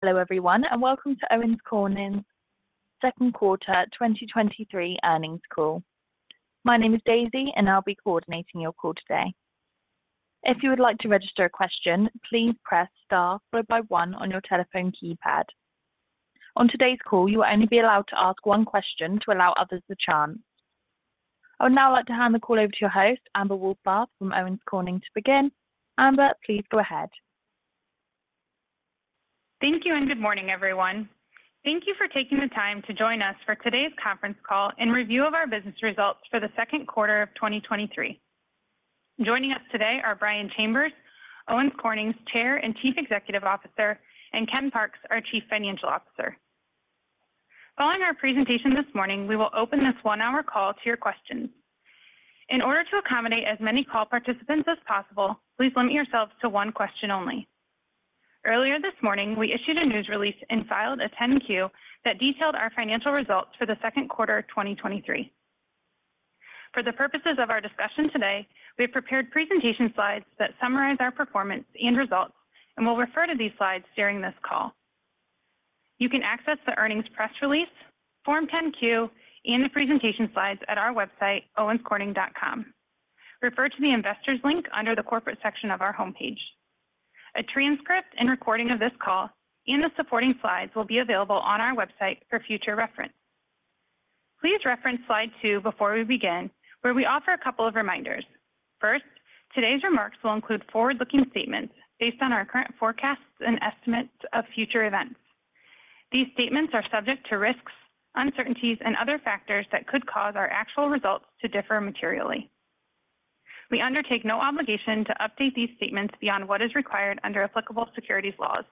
Hello, everyone, and welcome to Owens Corning's second quarter 2023 earnings call. My name is Daisy, and I'll be coordinating your call today. If you would like to register a question, please press star followed by one on your telephone keypad. On today's call, you will only be allowed to ask one question to allow others the chance. I would now like to hand the call over to your host, Amber Wohlfarth, from Owens Corning to begin. Amber, please go ahead. Thank you, and good morning, everyone. Thank you for taking the time to join us for today's conference call and review of our business results for the second quarter of 2023. Joining us today are Brian Chambers, Owens Corning's Chair and Chief Executive Officer, and Ken Parks, our Chief Financial Officer. Following our presentation this morning, we will open this one-hour call to your questions. In order to accommodate as many call participants as possible, please limit yourselves to one question only. Earlier this morning, we issued a news release and filed a 10-Q that detailed our financial results for the second quarter of 2023. For the purposes of our discussion today, we have prepared presentation slides that summarize our performance and results, and we'll refer to these slides during this call. You can access the earnings press release, form 10-Q, and the presentation slides at our website, owenscorning.com. Refer to the Investors link under the Corporate section of our homepage. A transcript and recording of this call and the supporting slides will be available on our website for future reference. Please reference slide two before we begin, where we offer a couple of reminders. First, today's remarks will include forward-looking statements based on our current forecasts and estimates of future events. These statements are subject to risks, uncertainties, and other factors that could cause our actual results to differ materially. We undertake no obligation to update these statements beyond what is required under applicable securities laws.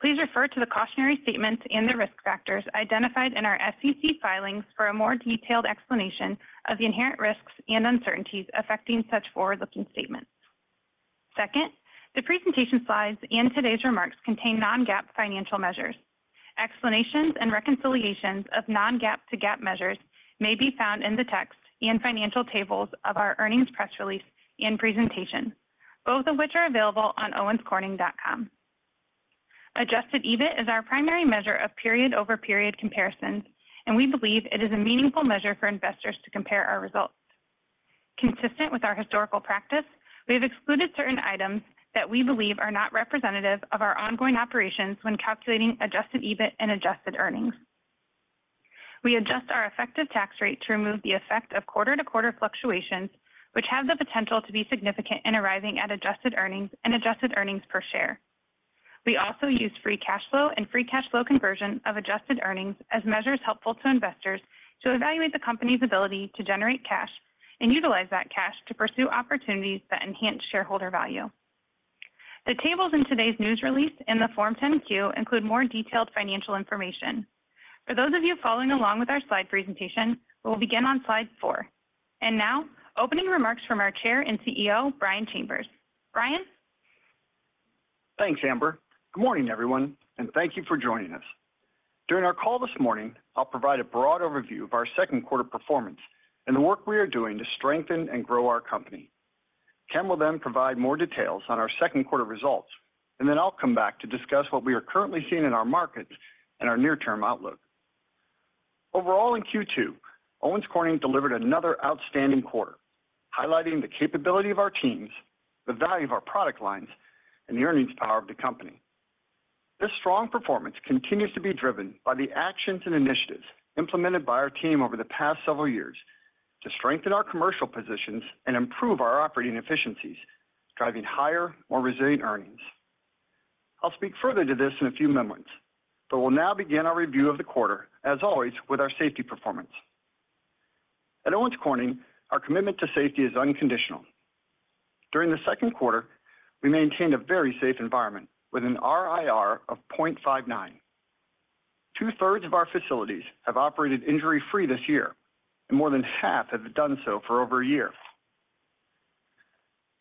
Please refer to the cautionary statements and the risk factors identified in our SEC filings for a more detailed explanation of the inherent risks and uncertainties affecting such forward-looking statements. Second, the presentation slides and today's remarks contain non-GAAP financial measures. Explanations and reconciliations of non-GAAP to GAAP measures may be found in the text and financial tables of our earnings press release and presentation, both of which are available on owenscorning.com. Adjusted EBIT is our primary measure of period-over-period comparisons, and we believe it is a meaningful measure for investors to compare our results. Consistent with our historical practice, we have excluded certain items that we believe are not representative of our ongoing operations when calculating adjusted EBIT and adjusted earnings. We adjust our effective tax rate to remove the effect of quarter-to-quarter fluctuations, which have the potential to be significant in arriving at adjusted earnings and adjusted earnings per share. We also use free cash flow and free cash flow conversion of adjusted earnings as measures helpful to investors to evaluate the company's ability to generate cash and utilize that cash to pursue opportunities that enhance shareholder value. The tables in today's news release and the Form 10-Q include more detailed financial information. For those of you following along with our slide presentation, we will begin on slide four. Now, opening remarks from our Chair and CEO, Brian Chambers. Brian? Thanks, Amber Wohlfarth. Good morning, everyone, and thank you for joining us. During our call this morning, I'll provide a broad overview of our second quarter performance and the work we are doing to strengthen and grow our company. Ken will then provide more details on our second quarter results, and then I'll come back to discuss what we are currently seeing in our markets and our near-term outlook. Overall, in Q2, Owens Corning delivered another outstanding quarter, highlighting the capability of our teams, the value of our product lines, and the earnings power of the company. This strong performance continues to be driven by the actions and initiatives implemented by our team over the past several years to strengthen our commercial positions and improve our operating efficiencies, driving higher, more resilient earnings. I'll speak further to this in a few moments, we'll now begin our review of the quarter, as always, with our safety performance. At Owens Corning, our commitment to safety is unconditional. During the second quarter, we maintained a very safe environment with an RIR of 0.59. 2/3 of our facilities have operated injury-free this year, and more than half have done so for over a year.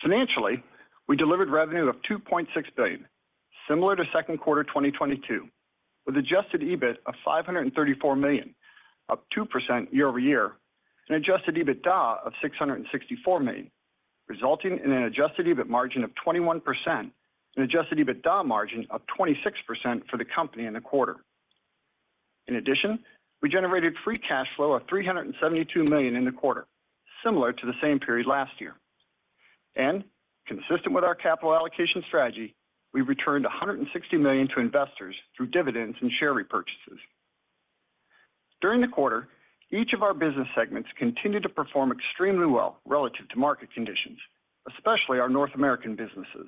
Financially, we delivered revenue of $2.6 billion, similar to second quarter 2022, with adjusted EBIT of $534 million, up 2% year-over-year, and adjusted EBITDA of $664 million, resulting in an adjusted EBIT margin of 21% and adjusted EBITDA margin of 26% for the company in the quarter. In addition, we generated free cash flow of $372 million in the quarter, similar to the same period last year. Consistent with our capital allocation strategy, we returned $160 million to investors through dividends and share repurchases. During the quarter, each of our business segments continued to perform extremely well relative to market conditions, especially our North American businesses.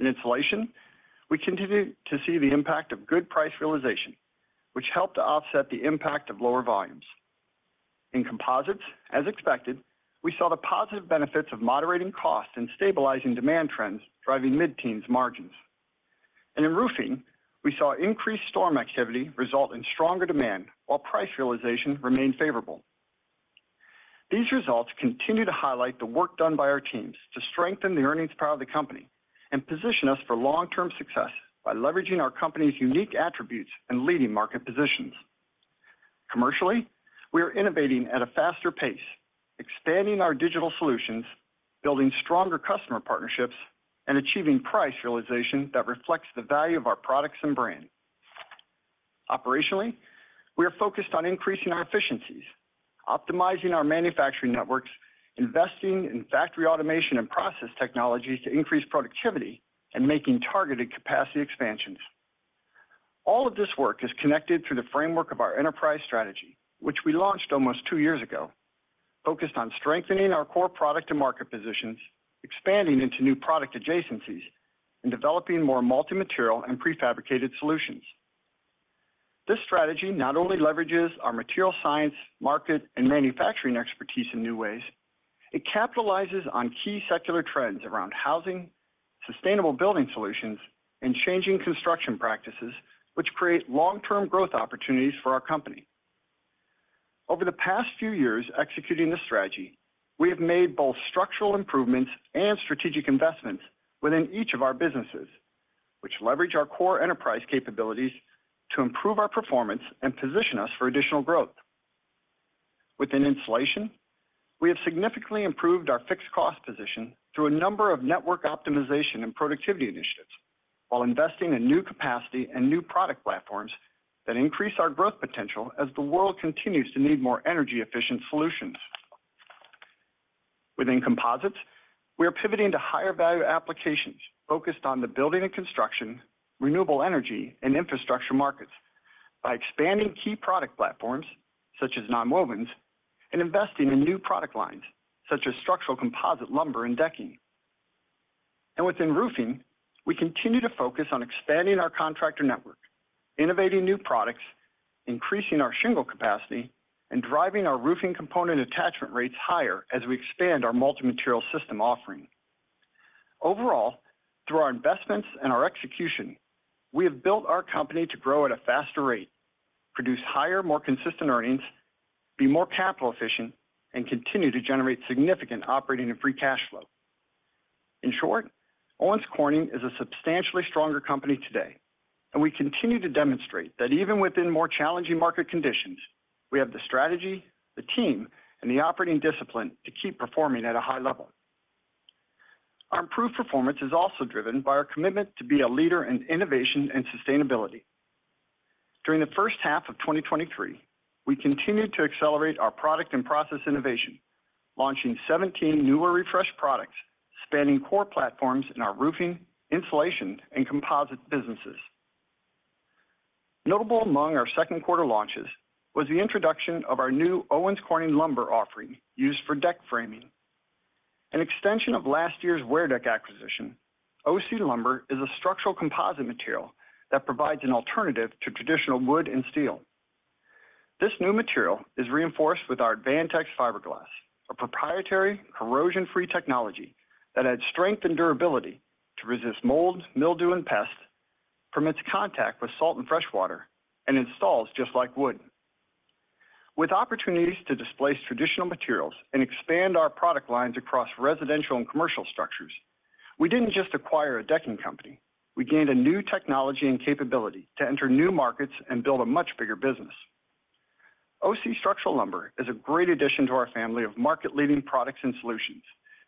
In Insulation, we continued to see the impact of good price realization, which helped to offset the impact of lower volumes. In Composites, as expected, we saw the positive benefits of moderating costs and stabilizing demand trends, driving mid-teens margins. In Roofing, we saw increased storm activity result in stronger demand, while price realization remained favorable. These results continue to highlight the work done by our teams to strengthen the earnings power of the company and position us for long-term success by leveraging our company's unique attributes and leading market positions. Commercially, we are innovating at a faster pace, expanding our digital solutions, building stronger customer partnerships, and achieving price realization that reflects the value of our products and brand. Operationally, we are focused on increasing our efficiencies, optimizing our manufacturing networks, investing in factory automation and process technologies to increase productivity, and making targeted capacity expansions. All of this work is connected through the framework of our enterprise strategy, which we launched almost two years ago, focused on strengthening our core product and market positions, expanding into new product adjacencies, and developing more multi-material and prefabricated solutions. This strategy not only leverages our material science, market, and manufacturing expertise in new ways, it capitalizes on key secular trends around housing, sustainable building solutions, and changing construction practices, which create long-term growth opportunities for our company. Over the past few years executing this strategy, we have made both structural improvements and strategic investments within each of our businesses, which leverage our core enterprise capabilities to improve our performance and position us for additional growth. Within Insulation, we have significantly improved our fixed cost position through a number of network optimization and productivity initiatives, while investing in new capacity and new product platforms that increase our growth potential as the world continues to need more energy-efficient solutions. Within Composites, we are pivoting to higher value applications focused on the building and construction, renewable energy, and infrastructure markets by expanding key product platforms, such as nonwovens, and investing in new product lines, such as structural composite lumber and decking. Within Roofing, we continue to focus on expanding our contractor network, innovating new products, increasing our shingle capacity, and driving our Roofing component attachment rates higher as we expand our multi-material system offering. Overall, through our investments and our execution, we have built our company to grow at a faster rate, produce higher, more consistent earnings, be more capital efficient, and continue to generate significant operating and free cash flow. In short, Owens Corning is a substantially stronger company today, and we continue to demonstrate that even within more challenging market conditions, we have the strategy, the team, and the operating discipline to keep performing at a high level. Our improved performance is also driven by our commitment to be a leader in innovation and sustainability. During the first half of 2023, we continued to accelerate our product and process innovation, launching 17 new or refreshed products, spanning core platforms in our Roofing, Insulation, and Composites businesses. Notable among our second quarter launches was the introduction of our new Owens Corning lumber offering used for deck framing. An extension of last year's WearDeck acquisition, OC Lumber is a structural composite material that provides an alternative to traditional wood and steel. This new material is reinforced with our Advantex Fiberglass, a proprietary corrosion-free technology that adds strength and durability to resist mold, mildew, and pests, permits contact with salt and freshwater, and installs just like wood. With opportunities to displace traditional materials and expand our product lines across residential and commercial structures, we didn't just acquire a decking company, we gained a new technology and capability to enter new markets and build a much bigger business. OC Structural Lumber is a great addition to our family of market-leading products and solutions,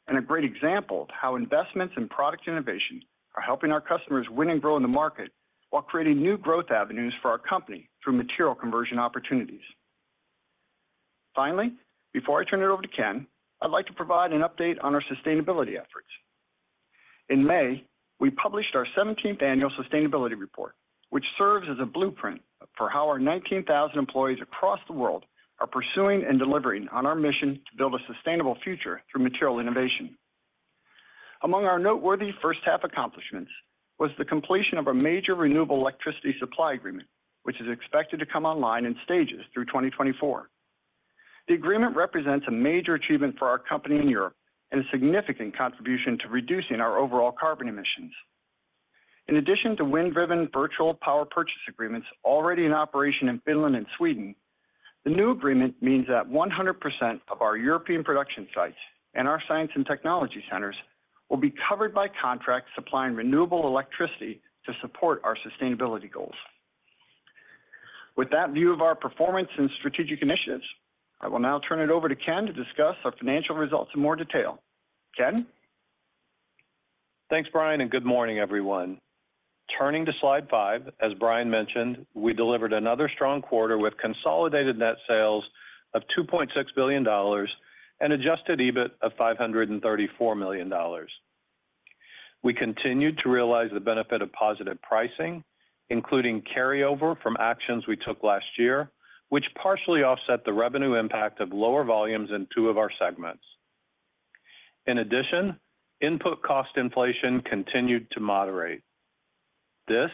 and a great example of how investments in product innovation are helping our customers win and grow in the market while creating new growth avenues for our company through material conversion opportunities. Finally, before I turn it over to Ken, I'd like to provide an update on our sustainability efforts. In May, we published our 17th annual sustainability report, which serves as a blueprint for how our 19,000 employees across the world are pursuing and delivering on our mission to build a sustainable future through material innovation. Among our noteworthy first half accomplishments was the completion of a major renewable electricity supply agreement, which is expected to come online in stages through 2024. The agreement represents a major achievement for our company in Europe and a significant contribution to reducing our overall carbon emissions. In addition to wind-driven virtual power purchase agreements already in operation in Finland and Sweden, the new agreement means that 100% of our European production sites and our science and technology centers will be covered by contracts supplying renewable electricity to support our sustainability goals. With that view of our performance and strategic initiatives, I will now turn it over to Ken to discuss our financial results in more detail. Ken? Thanks, Brian. Good morning, everyone. Turning to slide five, as Brian mentioned, we delivered another strong quarter with consolidated net sales of $2.6 billion and adjusted EBIT of $534 million. We continued to realize the benefit of positive pricing, including carryover from actions we took last year, which partially offset the revenue impact of lower volumes in two of our segments. Input cost inflation continued to moderate. This,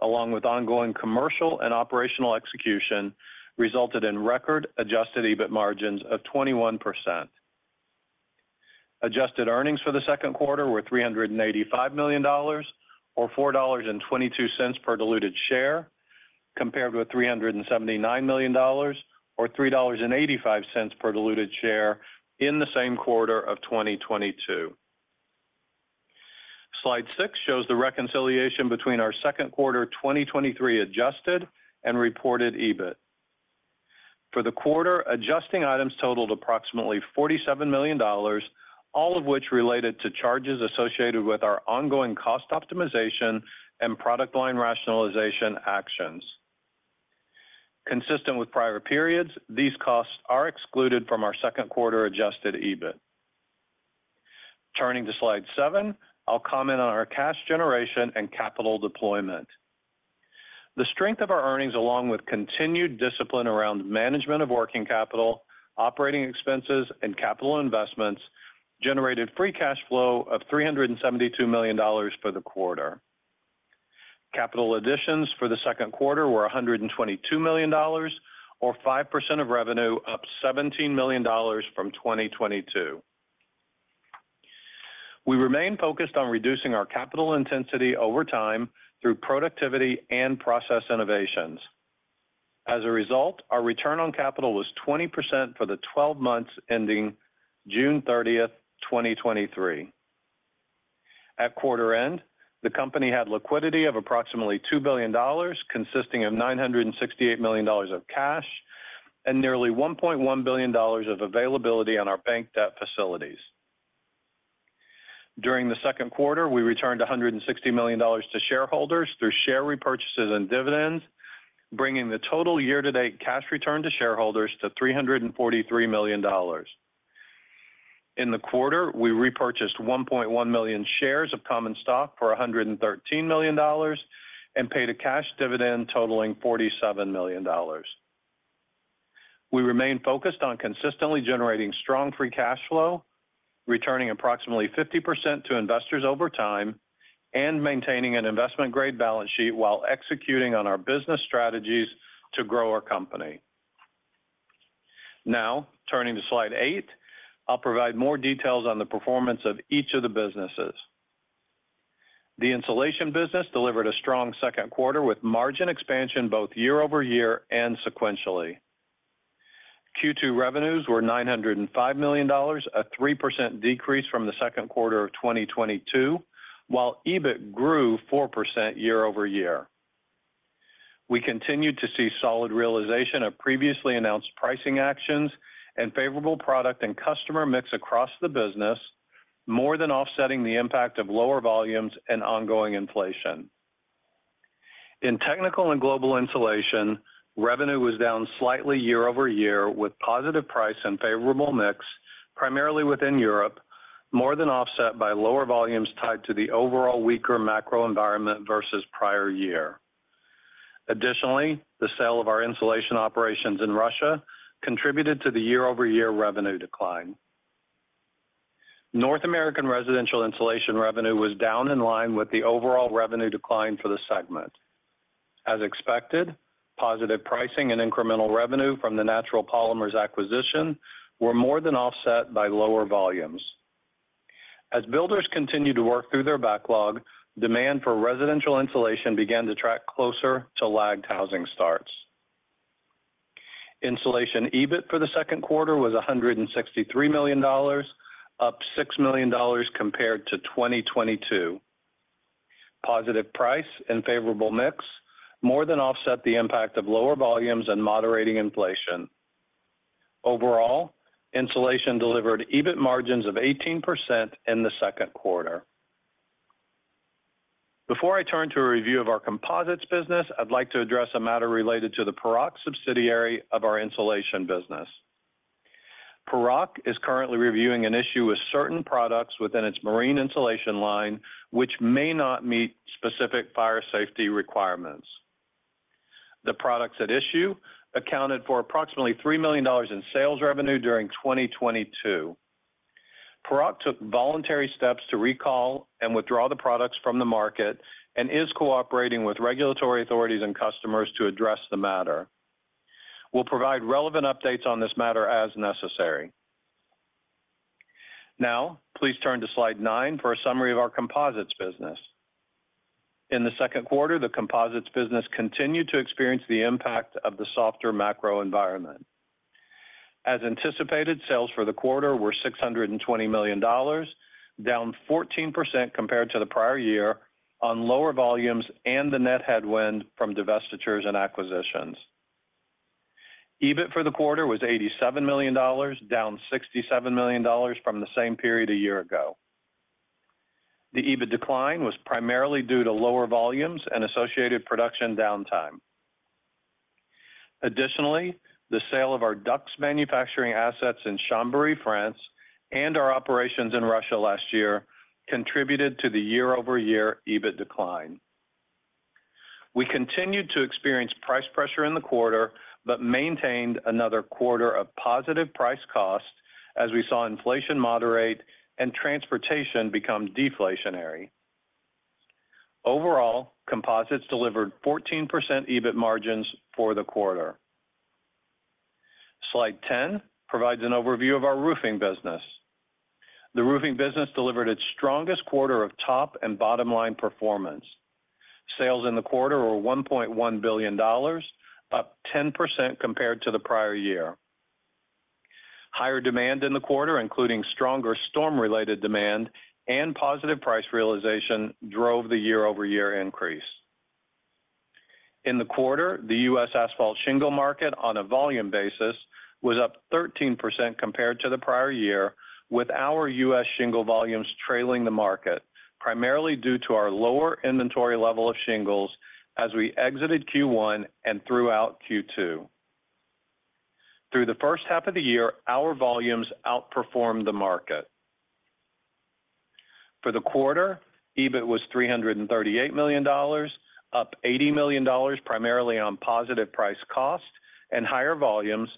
along with ongoing commercial and operational execution, resulted in record adjusted EBIT margins of 21%. Adjusted earnings for the 2Q were $385 million or $4.22 per diluted share, compared with $379 million or $3.85 per diluted share in the same quarter of 2022. Slide six shows the reconciliation between our second quarter 2023 adjusted and reported EBIT. For the quarter, adjusting items totaled approximately $47 million, all of which related to charges associated with our ongoing cost optimization and product line rationalization actions. Consistent with prior periods, these costs are excluded from our second quarter adjusted EBIT. Turning to slide seven, I'll comment on our cash generation and capital deployment. The strength of our earnings, along with continued discipline around management of working capital, operating expenses, and capital investments, generated free cash flow of $372 million for the quarter. Capital additions for the second quarter were $122 million or 5% of revenue, up $17 million from 2022. We remain focused on reducing our capital intensity over time through productivity and process innovations. As a result, our return on capital was 20% for the 12 months ending June 30th, 2023. At quarter end, the company had liquidity of approximately $2 billion, consisting of $968 million of cash and nearly $1.1 billion of availability on our bank debt facilities. During the second quarter, we returned $160 million to shareholders through share repurchases and dividends, bringing the total year-to-date cash return to shareholders to $343 million. In the quarter, we repurchased 1.1 million shares of common stock for $113 million and paid a cash dividend totaling $47 million. We remain focused on consistently generating strong free cash flow, returning approximately 50% to investors over time, and maintaining an investment-grade balance sheet while executing on our business strategies to grow our company. Turning to slide eight, I'll provide more details on the performance of each of the businesses. The Insulation business delivered a strong second quarter, with margin expansion both year-over-year and sequentially. Q2 revenues were $905 million, a 3% decrease from the second quarter of 2022, while EBIT grew 4% year-over-year. We continued to see solid realization of previously announced pricing actions and favorable product and customer mix across the business, more than offsetting the impact of lower volumes and ongoing inflation. In technical and global insulation, revenue was down slightly year-over-year, with positive price and favorable mix, primarily within Europe, more than offset by lower volumes tied to the overall weaker macro environment versus prior year. The sale of our Insulation operations in Russia contributed to the year-over-year revenue decline. North American residential insulation revenue was down in line with the overall revenue decline for the segment. As expected, positive pricing and incremental revenue from the Natural Polymers acquisition were more than offset by lower volumes. Builders continued to work through their backlog, demand for residential insulation began to track closer to lagged housing starts. Insulation EBIT for the second quarter was $163 million, up $6 million compared to 2022. Positive price and favorable mix more than offset the impact of lower volumes and moderating inflation. Overall, Insulation delivered EBIT margins of 18% in the second quarter. Before I turn to a review of our Composites business, I'd like to address a matter related to the Paroc subsidiary of our Insulation business. Paroc is currently reviewing an issue with certain products within its marine insulation line, which may not meet specific fire safety requirements. The products at issue accounted for approximately $3 million in sales revenue during 2022. Paroc took voluntary steps to recall and withdraw the products from the market and is cooperating with regulatory authorities and customers to address the matter. We'll provide relevant updates on this matter as necessary. Now, please turn to slide nine for a summary of our Composites business. In the second quarter, the Composites business continued to experience the impact of the softer macro environment. As anticipated, sales for the quarter were $620 million, down 14% compared to the prior year on lower volumes and the net headwind from divestitures and acquisitions. EBIT for the quarter was $87 million, down $67 million from the same period a year ago. The EBIT decline was primarily due to lower volumes and associated production downtime. Additionally, the sale of our DUCS manufacturing assets in Chambéry, France, and our operations in Russia last year contributed to the year-over-year EBIT decline. We continued to experience price pressure in the quarter, but maintained another quarter of positive price cost as we saw inflation moderate and transportation become deflationary. Overall, Composites delivered 14% EBIT margins for the quarter. Slide 10 provides an overview of our Roofing business. The Roofing business delivered its strongest quarter of top and bottom line performance. Sales in the quarter were $1.1 billion, up 10% compared to the prior year. Higher demand in the quarter, including stronger storm-related demand and positive price realization, drove the year-over-year increase. In the quarter, the U.S. asphalt shingle market, on a volume basis, was up 13% compared to the prior year, with our U.S. shingle volumes trailing the market, primarily due to our lower inventory level of shingles as we exited Q1 and throughout Q2. Through the first half of the year, our volumes outperformed the market. For the quarter, EBIT was $338 million, up $80 million, primarily on positive price cost and higher volumes,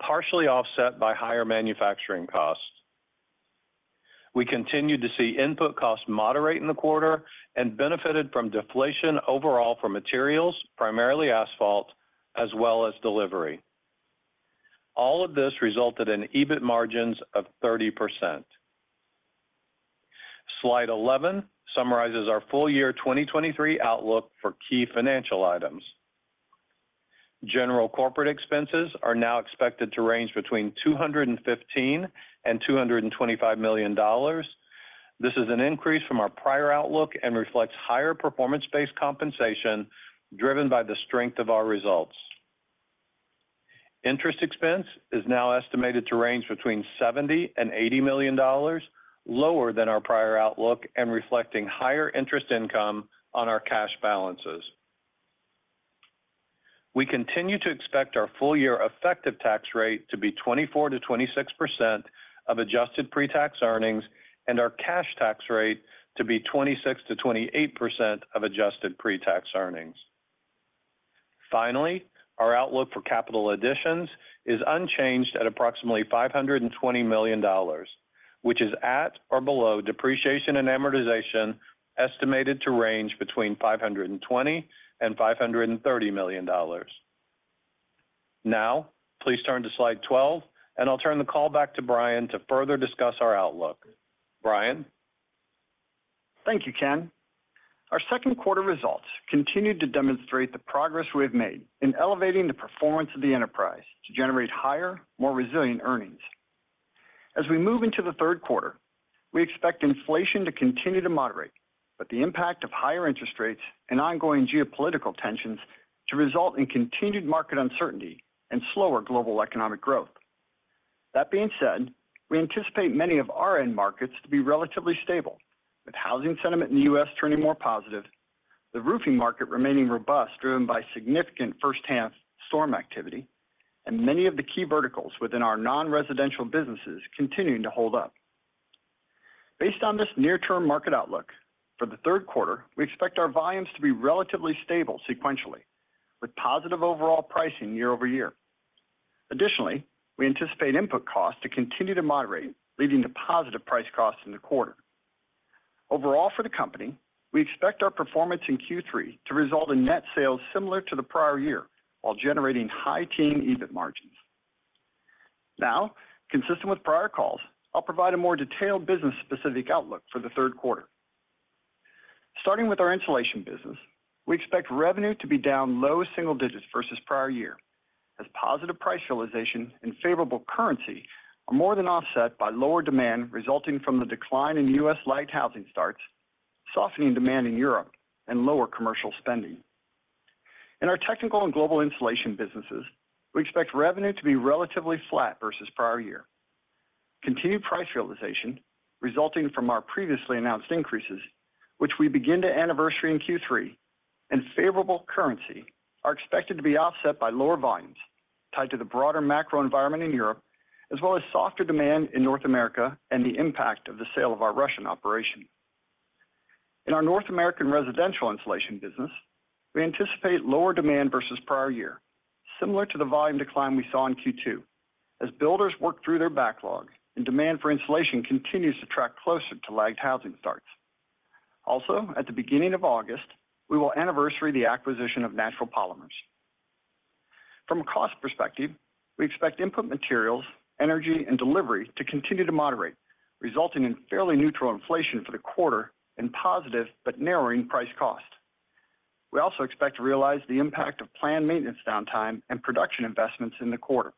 partially offset by higher manufacturing costs. We continued to see input costs moderate in the quarter and benefited from deflation overall for materials, primarily asphalt, as well as delivery. All of this resulted in EBIT margins of 30%. Slide 11 summarizes our full year 2023 outlook for key financial items. General corporate expenses are now expected to range between $215 million and $225 million. This is an increase from our prior outlook and reflects higher performance-based compensation driven by the strength of our results. Interest expense is now estimated to range between $70 million and $80 million, lower than our prior outlook and reflecting higher interest income on our cash balances. We continue to expect our full year effective tax rate to be 24%-26% of adjusted pre-tax earnings, and our cash tax rate to be 26%-28% of adjusted pre-tax earnings. Our outlook for capital additions is unchanged at approximately $520 million, which is at or below depreciation and amortization, estimated to range between $520 million and $530 million. Please turn to slide 12, and I'll turn the call back to Brian to further discuss our outlook. Brian? Thank you, Ken. Our second quarter results continued to demonstrate the progress we have made in elevating the performance of the enterprise to generate higher, more resilient earnings. As we move into the third quarter, we expect inflation to continue to moderate, but the impact of higher interest rates and ongoing geopolitical tensions to result in continued market uncertainty and slower global economic growth. That being said, we anticipate many of our end markets to be relatively stable, with housing sentiment in the U.S. turning more positive, the roofing market remaining robust, driven by significant first half storm activity, and many of the key verticals within our non-residential businesses continuing to hold up. Based on this near-term market outlook, for the third quarter, we expect our volumes to be relatively stable sequentially, with positive overall pricing year-over-year. We anticipate input costs to continue to moderate, leading to positive price/cost in the quarter. Overall, for the company, we expect our performance in Q3 to result in net sales similar to the prior year, while generating high teen EBIT margins. Consistent with prior calls, I'll provide a more detailed business-specific outlook for the third quarter. Starting with our Insulation business, we expect revenue to be down low single digits versus prior year, as positive price realization and favorable currency are more than offset by lower demand resulting from the decline in U.S. lagged housing starts, softening demand in Europe, and lower commercial spending. In our technical and global insulation businesses, we expect revenue to be relatively flat versus prior year. Continued price realization, resulting from our previously announced increases, which we begin to anniversary in Q3, and favorable currency, are expected to be offset by lower volumes tied to the broader macro environment in Europe, as well as softer demand in North America and the impact of the sale of our Russian operation. In our North American residential insulation business, we anticipate lower demand versus prior year, similar to the volume decline we saw in Q2, as builders work through their backlog and demand for insulation continues to track closer to lagged housing starts. At the beginning of August, we will anniversary the acquisition of Natural Polymers. From a cost perspective, we expect input materials, energy, and delivery to continue to moderate, resulting in fairly neutral inflation for the quarter and positive but narrowing price cost. We also expect to realize the impact of planned maintenance downtime and production investments in the quarter.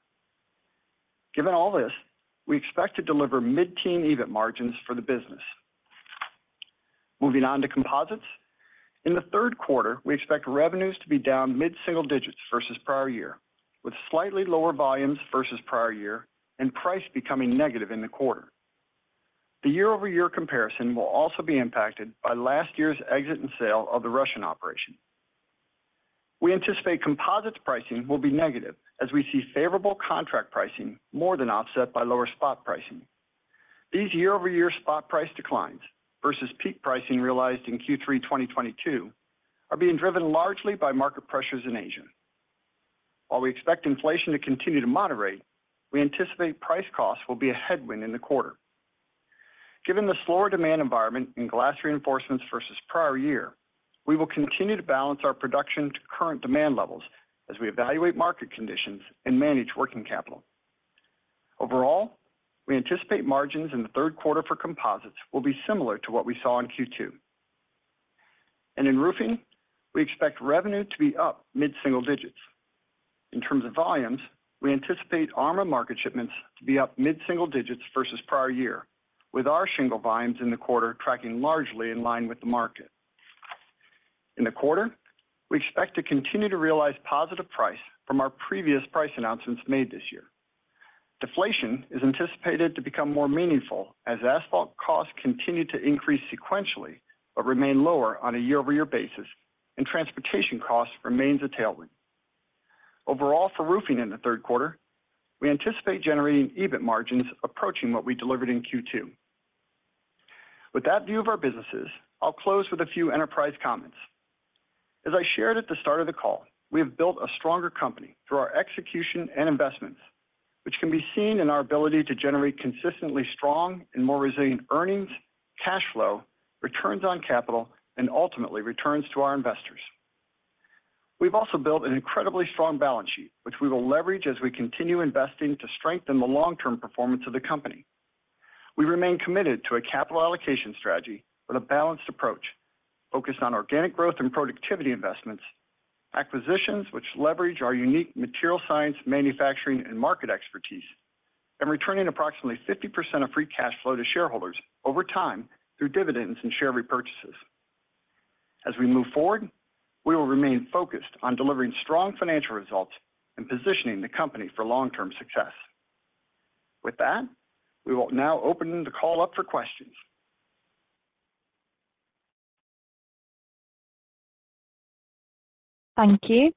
Given all this, we expect to deliver mid-teen EBIT margins for the business. Moving on to Composites. In the third quarter, we expect revenues to be down mid-single digits versus prior year, with slightly lower volumes versus prior year and price becoming negative in the quarter. The year-over-year comparison will also be impacted by last year's exit and sale of the Russian operation. We anticipate Composites pricing will be negative as we see favorable contract pricing more than offset by lower spot pricing. These year-over-year spot price declines versus peak pricing realized in Q3 2022, are being driven largely by market pressures in Asia. While we expect inflation to continue to moderate, we anticipate price/cost will be a headwind in the quarter. Given the slower demand environment in glass reinforcements versus prior year, we will continue to balance our production to current demand levels as we evaluate market conditions and manage working capital. Overall, we anticipate margins in the third quarter for composites will be similar to what we saw in Q2. In Roofing, we expect revenue to be up mid-single digits. In terms of volumes, we anticipate ARMA market shipments to be up mid-single digits versus prior year, with our shingle volumes in the quarter tracking largely in line with the market. In the quarter, we expect to continue to realize positive price from our previous price announcements made this year. Deflation is anticipated to become more meaningful as asphalt costs continue to increase sequentially, but remain lower on a year-over-year basis. Transportation costs remains a tailwind. Overall, for Roofing in the third quarter, we anticipate generating EBIT margins approaching what we delivered in Q2. With that view of our businesses, I'll close with a few enterprise comments. As I shared at the start of the call, we have built a stronger company through our execution and investments, which can be seen in our ability to generate consistently strong and more resilient earnings, cash flow, returns on capital, and ultimately, returns to our investors. We've also built an incredibly strong balance sheet, which we will leverage as we continue investing to strengthen the long-term performance of the company. We remain committed to a capital allocation strategy with a balanced approach, focused on organic growth and productivity investments, acquisitions which leverage our unique material science, manufacturing, and market expertise, and returning approximately 50% of free cash flow to shareholders over time through dividends and share repurchases. As we move forward, we will remain focused on delivering strong financial results and positioning the company for long-term success. We will now open the call up for questions. Thank you.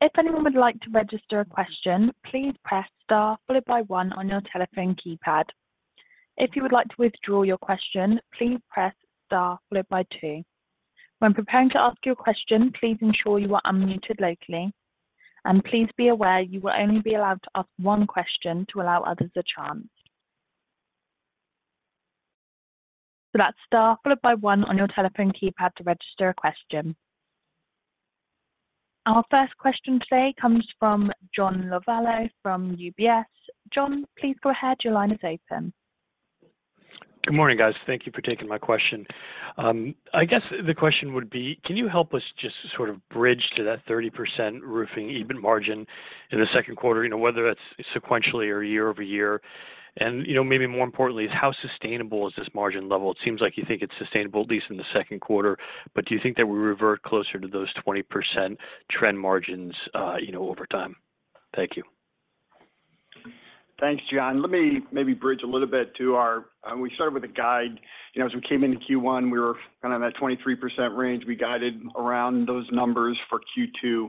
If anyone would like to register a question, please press star followed by one on your telephone keypad. If you would like to withdraw your question, please press star followed by two. When preparing to ask your question, please ensure you are unmuted locally, and please be aware you will only be allowed to ask one question to allow others a chance. That's star followed by one on your telephone keypad to register a question. Our first question today comes from John Lovallo from UBS. John, please go ahead. Your line is open. Good morning, guys. Thank you for taking my question. I guess the question would be, can you help us just sort of bridge to that 30% Roofing EBIT margin in the second quarter, whether it's sequentially or year-over-year? Maybe more importantly, is how sustainable is this margin level? It seems like you think it's sustainable, at least in the second quarter, but do you think that we revert closer to those 20% trend margins, over time? Thank you. Thanks, John. Let me maybe bridge a little bit to our. We started with a guide. You know, as we came into Q1, we were kind of at 23% range. We guided around those numbers for Q2.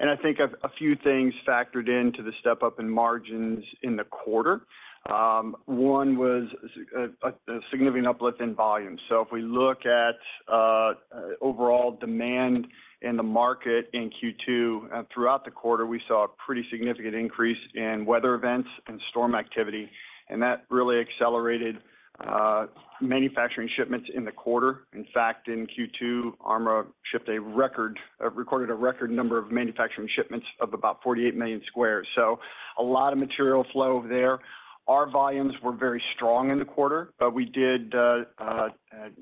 I think a few things factored in to the step-up in margins in the quarter. One was a significant uplift in volume. If we look at overall demand in the market in Q2, throughout the quarter, we saw a pretty significant increase in weather events and storm activity, and that really accelerated manufacturing shipments in the quarter. In fact, in Q2, ARMA recorded a record number of manufacturing shipments of about 48 million squares. A lot of material flow over there. Our volumes were very strong in the quarter, but we did, you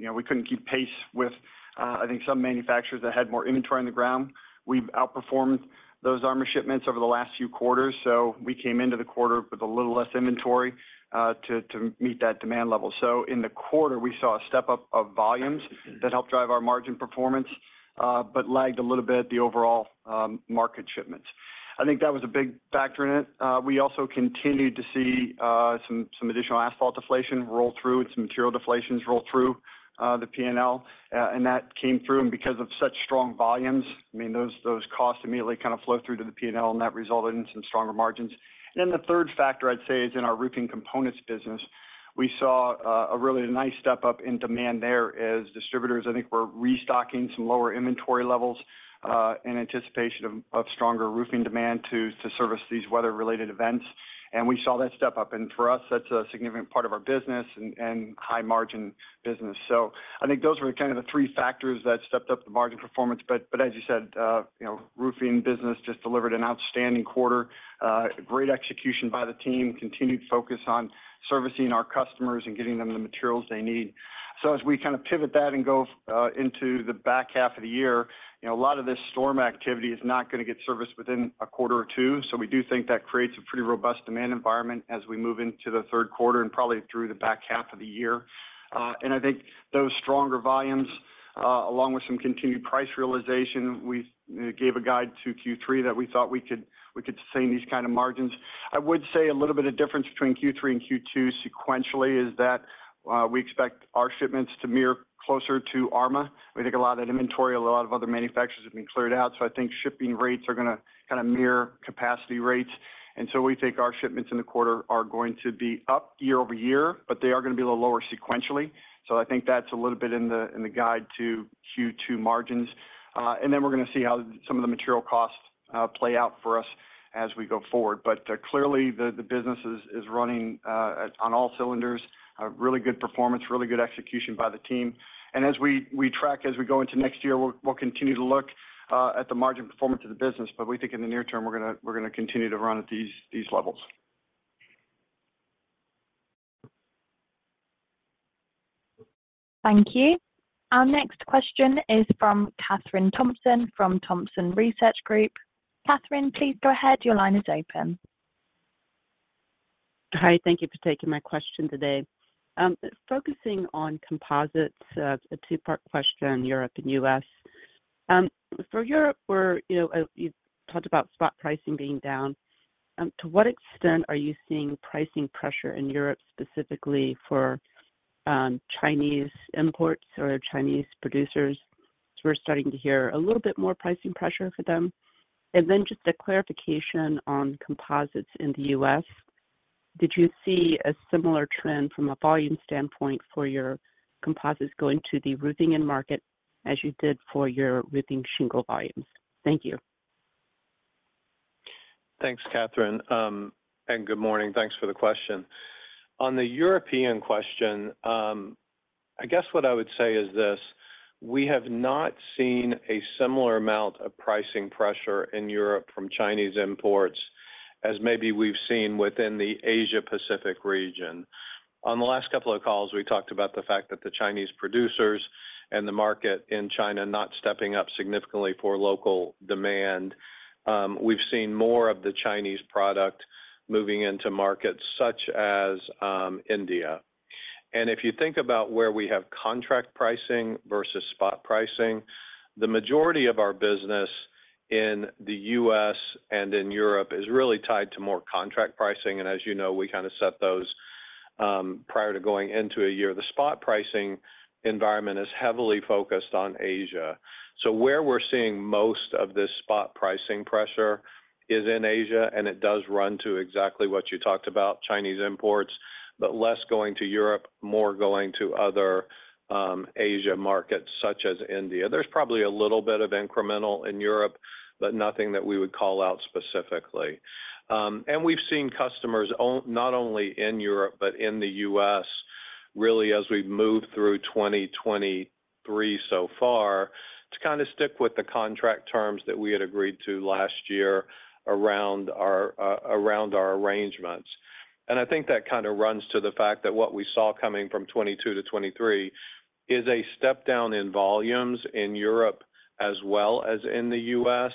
know, we couldn't keep pace with I think some manufacturers that had more inventory on the ground. We've outperformed those ARMA shipments over the last few quarters, so we came into the quarter with a little less inventory to meet that demand level. In the quarter, we saw a step-up of volumes that helped drive our margin performance, but lagged a little bit the overall market shipments. I think that was a big factor in it. We also continued to see some additional asphalt deflation roll through and some material deflations roll through the P&L, and that came through. Because of such strong volumes, I mean, those costs immediately kind of flow through to the P&L, and that resulted in some stronger margins. The third factor, I'd say, is in our Roofing and Components business. We saw a really nice step-up in demand there as distributors, I think, were restocking some lower inventory levels, in anticipation of stronger roofing demand to service these weather-related events. We saw that step up, and for us, that's a significant part of our business and high-margin business. I think those were kind of the three factors that stepped up the margin performance. As you said, you know, Roofing business just delivered an outstanding quarter, great execution by the team, continued focus on servicing our customers and getting them the materials they need. As we kind of pivot that and go into the back half of the year, you know, a lot of this storm activity is not gonna get serviced within a quarter or two. We do think that creates a pretty robust demand environment as we move into the third quarter and probably through the back half of the year. And I think those stronger volumes along with some continued price realization, we gave a guide to Q3 that we thought we could sustain these kind of margins. I would say a little bit of difference between Q3 and Q2 sequentially is that we expect our shipments to mirror closer to ARMA. We think a lot of that inventory, a lot of other manufacturers have been cleared out. I think shipping rates are gonna kinda mirror capacity rates, and so we think our shipments in the quarter are going to be up year-over-year, but they are gonna be a little lower sequentially. I think that's a little bit in the guide to Q2 margins. Then we're gonna see how some of the material costs play out for us as we go forward. Clearly, the business is running on all cylinders. A really good performance, really good execution by the team. As we track as we go into next year, we'll continue to look at the margin performance of the business. We think in the near term, we're gonna continue to run at these levels. Thank you. Our next question is from Kathryn Thompson from Thompson Research Group. Kathryn, please go ahead. Your line is open. Hi, thank you for taking my question today. Focusing on composites, a two-part question, Europe and U.S. For Europe, where, you know, you talked about spot pricing being down, to what extent are you seeing pricing pressure in Europe, specifically for Chinese imports or Chinese producers? We're starting to hear a little bit more pricing pressure for them. Just a clarification on composites in the U.S. Did you see a similar trend from a volume standpoint for your composites going to the roofing end market as you did for your roofing shingle volumes? Thank you. Thanks, Kathryn. Good morning. Thanks for the question. On the European question, I guess what I would say is this: we have not seen a similar amount of pricing pressure in Europe from Chinese imports as maybe we've seen within the Asia-Pacific region. On the last couple of calls, we talked about the fact that the Chinese producers and the market in China not stepping up significantly for local demand. We've seen more of the Chinese product moving into markets such as India. If you think about where we have contract pricing versus spot pricing, the majority of our business in the U.S. and in Europe is really tied to more contract pricing, and as you know, we kinda set those prior to going into a year. The spot pricing environment is heavily focused on Asia. Where we're seeing most of this spot pricing pressure is in Asia, it does run to exactly what you talked about, Chinese imports, but less going to Europe, more going to other Asia markets such as India. There's probably a little bit of incremental in Europe, but nothing that we would call out specifically. We've seen customers not only in Europe, but in the U.S., really, as we've moved through 2023 so far, to kinda stick with the contract terms that we had agreed to last year around our arrangements. I think that kinda runs to the fact that what we saw coming from 2022 to 2023 is a step down in volumes in Europe as well as in the U.S.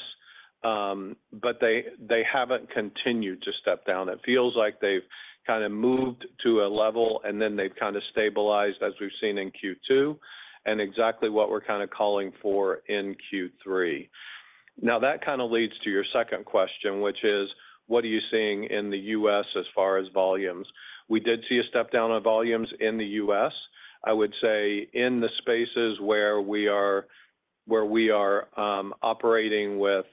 They haven't continued to step down. It feels like they've kinda moved to a level, and then they've kinda stabilized, as we've seen in Q2, and exactly what we're kinda calling for in Q3. That kinda leads to your second question, which is: What are you seeing in the U.S. as far as volumes? We did see a step down on volumes in the U.S. I would say in the spaces where we are operating with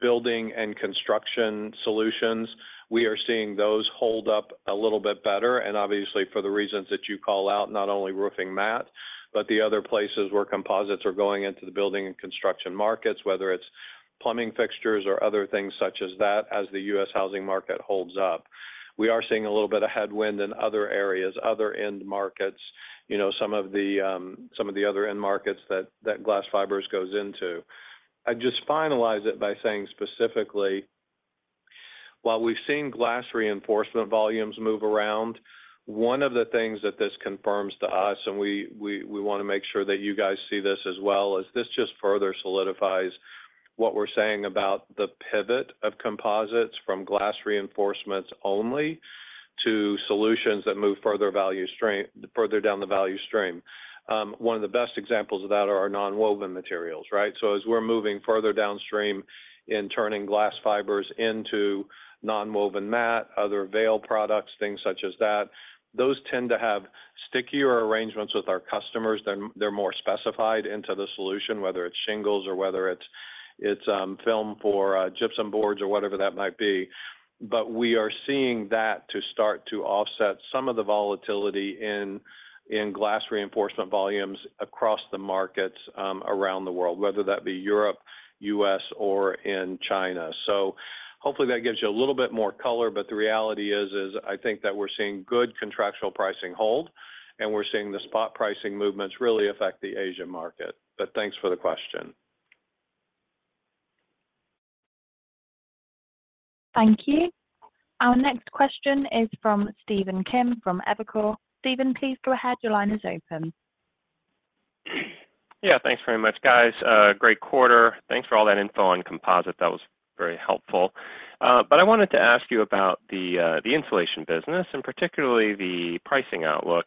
building and construction solutions, we are seeing those hold up a little bit better, and obviously for the reasons that you call out, not only roofing mat, but the other places where composites are going into the building and construction markets, whether it's plumbing fixtures or other things such as that, as the U.S. housing market holds up. We are seeing a little bit of headwind in other areas, other end markets, you know, some of the other end markets that glass fibers goes into. I'd just finalize it by saying specifically, while we've seen glass reinforcement volumes move around, one of the things that this confirms to us, and we wanna make sure that you guys see this as well, is this just further solidifies what we're saying about the pivot of composites from glass reinforcements only to solutions that move further down the value stream. One of the best examples of that are our nonwoven materials, right? As we're moving further downstream in turning glass fibers into nonwoven mat, other veil products, things such as that, those tend to have stickier arrangements with our customers. They're more specified into the solution, whether it's shingles or whether it's film for gypsum boards or whatever that might be. We are seeing that to start to offset some of the volatility in glass reinforcement volumes across the markets around the world, whether that be Europe, U.S., or in China. Hopefully that gives you a little bit more color, but the reality is I think that we're seeing good contractual pricing hold, and we're seeing the spot pricing movements really affect the Asia market. Thanks for the question. Thank you. Our next question is from Stephen Kim from Evercore. Stephen, please go ahead. Your line is open. Yeah, thanks very much, guys. Great quarter. Thanks for all that info on Composites. That was very helpful. I wanted to ask you about the Insulation business and particularly the pricing outlook.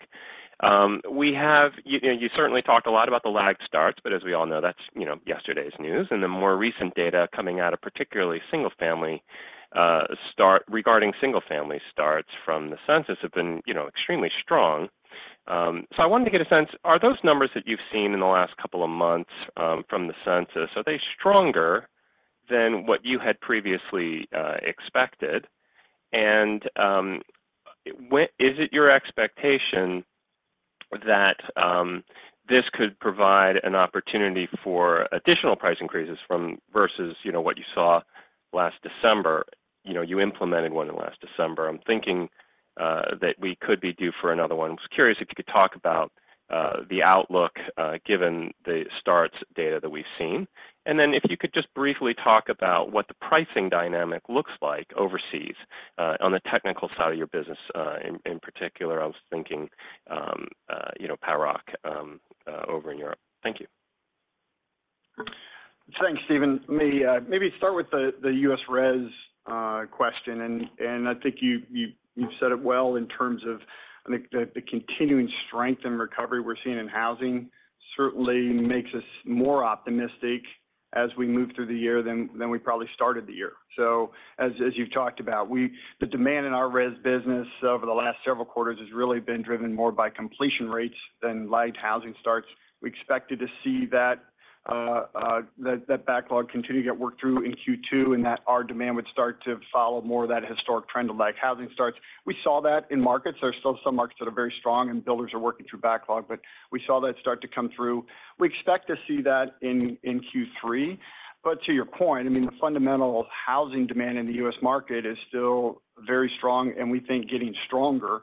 You know, you certainly talked a lot about the lag starts, but as we all know, that's, you know, yesterday's news, and the more recent data coming out of particularly single-family regarding single-family starts from the census have been, you know, extremely strong. I wanted to get a sense, are those numbers that you've seen in the last a couple of months from the census, are they stronger than what you had previously expected? Is it your expectation that this could provide an opportunity for additional price increases from versus, you know, what you saw last December? You know, you implemented one last December. I'm thinking that we could be due for another one. I was curious if you could talk about the outlook given the starts data that we've seen. Then if you could just briefly talk about what the pricing dynamic looks like overseas on the technical side of your business in particular, I was thinking, you know, Paroc over in Europe. Thank you. Thanks, Stephen. Let me, maybe start with the U.S. res question. I think you've said it well in terms of, I think, the continuing strength and recovery we're seeing in housing certainly makes us more optimistic as we move through the year than we probably started the year. As you've talked about, the demand in our res business over the last several quarters has really been driven more by completion rates than lagged housing starts. We expected to see that backlog continue to get worked through in Q2, that our demand would start to follow more of that historic trend of lagged housing starts. We saw that in markets. There are still some markets that are very strong and builders are working through backlog. We saw that start to come through. We expect to see that in Q3. To your point, I mean, the fundamental housing demand in the U.S. market is still very strong, and we think getting stronger,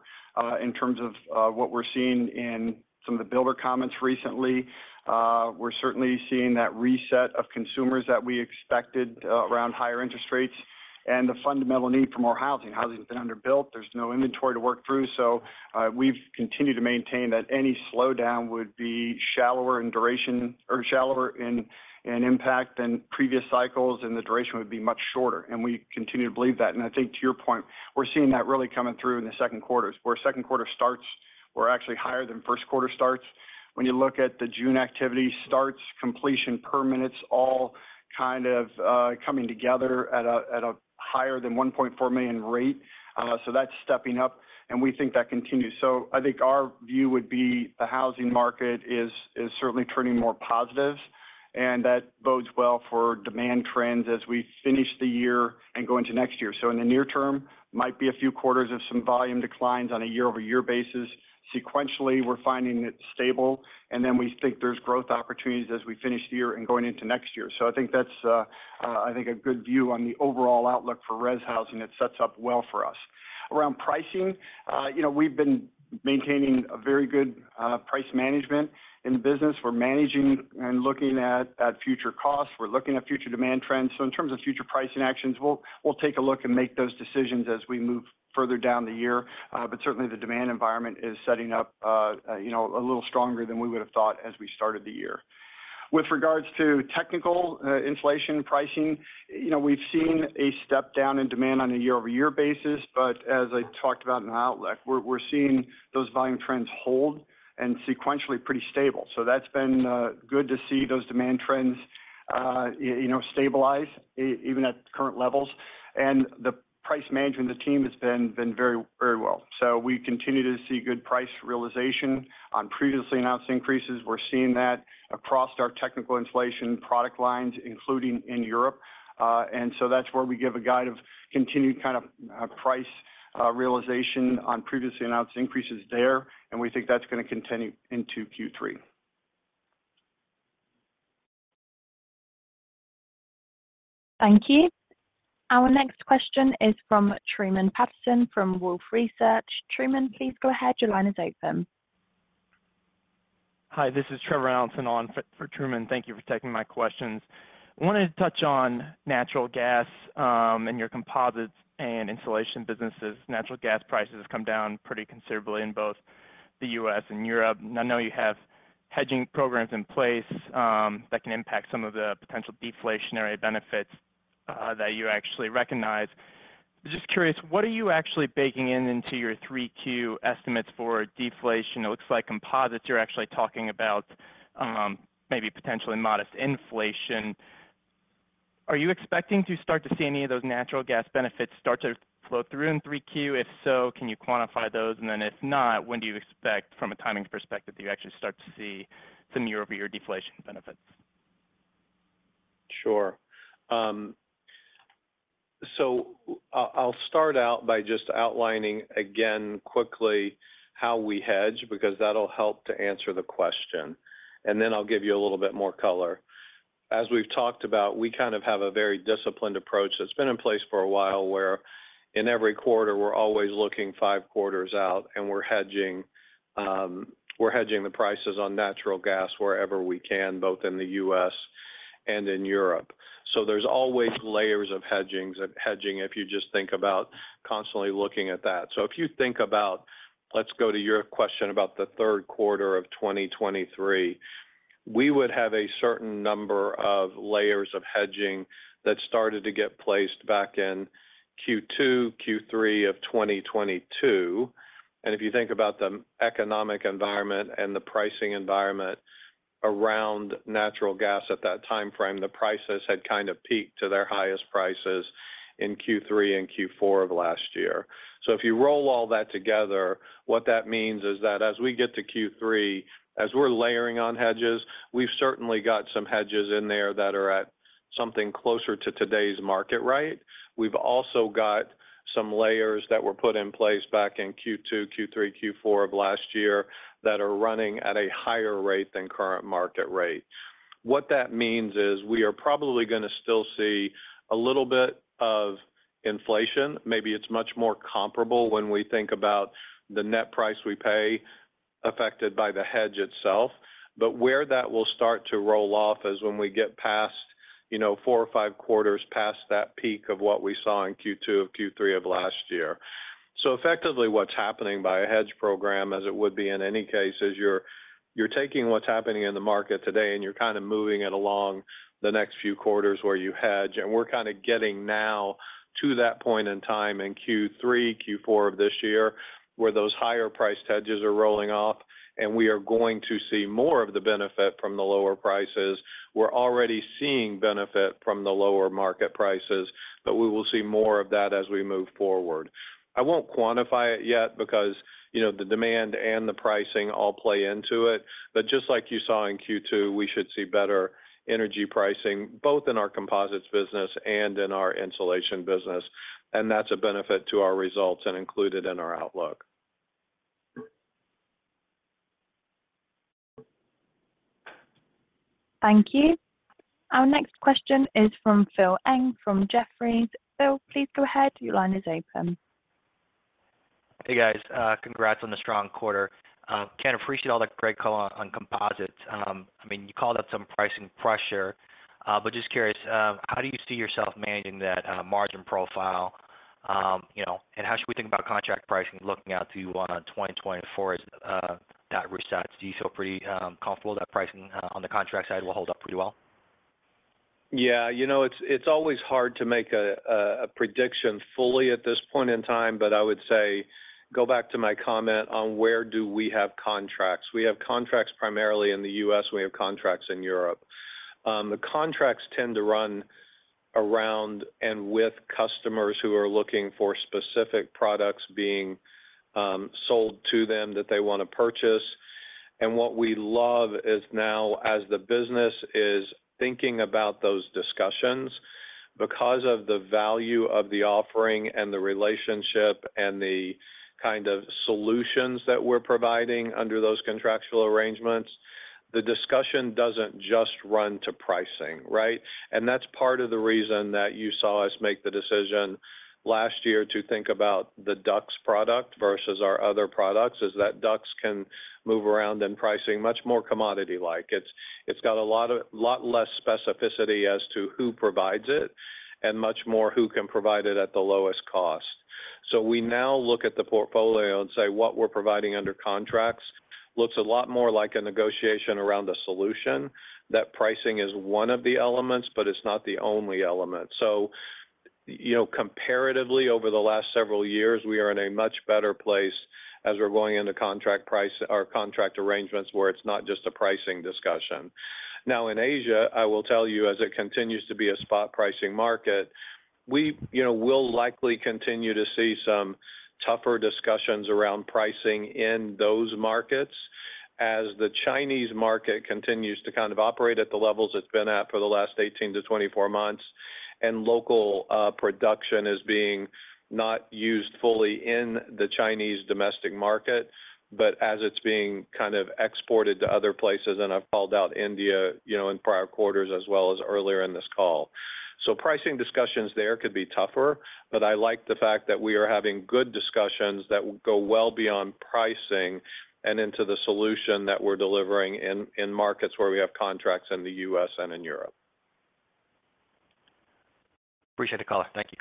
in terms of what we're seeing in some of the builder comments recently. We're certainly seeing that reset of consumers that we expected, around higher interest rates and the fundamental need for more housing. Housing's been underbuilt. There's no inventory to work through. We've continued to maintain that any slowdown would be shallower in duration or shallower in impact than previous cycles, and the duration would be much shorter, and we continue to believe that. I think to your point, we're seeing that really coming through in the second quarters, where second quarter starts were actually higher than first quarter starts. When you look at the June activity starts, completion, permits, all kind of, coming together at a higher than 1.4 million rate. That's stepping up, and we think that continues. I think our view would be the housing market is certainly turning more positive, and that bodes well for demand trends as we finish the year and go into next year. In the near term, might be a few quarters of some volume declines on a year-over-year basis. Sequentially, we're finding it stable, and then we think there's growth opportunities as we finish the year and going into next year. I think that's, I think a good view on the overall outlook for res housing. It sets up well for us. Around pricing, you know, we've been maintaining a very good price management in the business. We're managing and looking at future costs. We're looking at future demand trends. In terms of future pricing actions, we'll take a look and make those decisions as we move further down the year. Certainly the demand environment is setting up, you know, a little stronger than we would have thought as we started the year. With regards to technical inflation pricing, you know, we've seen a step down in demand on a year-over-year basis, as I talked about in the outlook, we're seeing those volume trends hold and sequentially pretty stable. That's been good to see those demand trends, you know, stabilize even at current levels. The price management of the team has been very, very well. We continue to see good price realization on previously announced increases. We're seeing that across our technical inflation product lines, including in Europe. That's where we give a guide of continued kind of price realization on previously announced increases there, and we think that's gonna continue into Q3. Thank you. Our next question is from Truman Patterson from Wolfe Research. Truman, please go ahead. Your line is open. Hi, this is Trevor Allinson on for Truman. Thank you for taking my questions. I wanted to touch on natural gas, and your Composites and Insulation businesses. Natural gas prices have come down pretty considerably in both the U.S. and Europe. I know you have hedging programs in place, that can impact some of the potential deflationary benefits, that you actually recognize. Just curious, what are you actually baking into your 3Q estimates for deflation? It looks like Composites, you're actually talking about maybe potentially modest inflation. Are you expecting to start to see any of those natural gas benefits start to flow through in 3Q? If so, can you quantify those? If not, when do you expect, from a timing perspective, do you actually start to see some year-over-year deflation benefits? Sure. I'll start out by just outlining again quickly how we hedge, because that'll help to answer the question. Then I'll give you a little bit more color. As we've talked about, we kind of have a very disciplined approach that's been in place for a while, where in every quarter, we're always looking five quarters out, and we're hedging the prices on natural gas wherever we can, both in the U.S. and in Europe. There's always layers of hedgings and hedging if you just think about constantly looking at that. If you think about, let's go to your question about the third quarter of 2023, we would have a certain number of layers of hedging that started to get placed back in Q2, Q3 of 2022. If you think about the economic environment and the pricing environment around natural gas at that time frame, the prices had kind of peaked to their highest prices in Q3 and Q4 of last year. If you roll all that together, what that means is that as we get to Q3, as we're layering on hedges, we've certainly got some hedges in there that are at something closer to today's market rate. We've also got some layers that were put in place back in Q2, Q3, Q4 of last year, that are running at a higher rate than current market rate. We are probably gonna still see a little bit of inflation. Maybe it's much more comparable when we think about the net price we pay, affected by the hedge itself. Where that will start to roll off is when we get past you know, four or five quarters past that peak of what we saw in Q2 or Q3 of last year. Effectively, what's happening by a hedge program, as it would be in any case, is you're taking what's happening in the market today, and you're kind of moving it along the next few quarters where you hedge. We're kind of getting now to that point in time in Q3, Q4 of this year, where those higher priced hedges are rolling off, and we are going to see more of the benefit from the lower prices. We're already seeing benefit from the lower market prices, but we will see more of that as we move forward. I won't quantify it yet because, you know, the demand and the pricing all play into it. Just like you saw in Q2, we should see better energy pricing, both in our Composites business and in our Insulation business, and that's a benefit to our results and included in our outlook. Thank you. Our next question is from Phil Ng from Jefferies. Phil, please go ahead. Your line is open. Hey, guys, congrats on the strong quarter. Ken, appreciate all the great color on Composites. I mean, you called out some pricing pressure, but just curious, how do you see yourself managing that margin profile, you know, and how should we think about contract pricing looking out to 2024 as that resets? Do you feel pretty comfortable that pricing on the contract side will hold up pretty well? Yeah, you know, it's always hard to make a prediction fully at this point in time, but I would say, go back to my comment on where do we have contracts. We have contracts primarily in the U.S., we have contracts in Europe. The contracts tend to run around and with customers who are looking for specific products being sold to them that they want to purchase. What we love is now, as the business is thinking about those discussions, because of the value of the offering and the relationship and the kind of solutions that we're providing under those contractual arrangements, the discussion doesn't just run to pricing, right? That's part of the reason that you saw us make the decision last year to think about the DUCS product versus our other products, is that DUCS can move around in pricing much more commodity-like. It's got a lot less specificity as to who provides it, and much more who can provide it at the lowest cost. We now look at the portfolio and say what we're providing under contracts looks a lot more like a negotiation around a solution. That pricing is one of the elements, but it's not the only element. You know, comparatively, over the last several years, we are in a much better place as we're going into contract price or contract arrangements where it's not just a pricing discussion. In Asia, I will tell you, as it continues to be a spot pricing market, we, you know, will likely continue to see some tougher discussions around pricing in those markets as the Chinese market continues to kind of operate at the levels it's been at for the last 18-24 months, and local production is being not used fully in the Chinese domestic market, but as it's being kind of exported to other places, and I've called out India, you know, in prior quarters as well as earlier in this call. Pricing discussions there could be tougher, but I like the fact that we are having good discussions that go well beyond pricing and into the solution that we're delivering in markets where we have contracts in the U.S. and in Europe. Appreciate the color. Thank you.